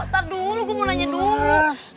taduh gue mau nanya dulu